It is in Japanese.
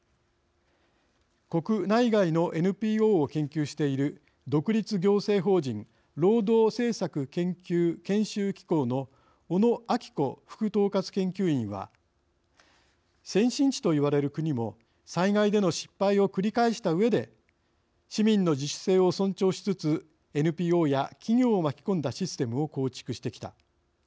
国内外のＮＰＯを研究している独立行政法人労働政策研究・研修機構の小野晶子副統括研究員は「先進地と言われる国も災害での失敗を繰り返したうえで市民の自主性を尊重しつつＮＰＯや企業を巻き込んだシステムを構築してきた。